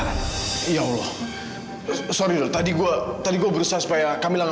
malah mama lebih senang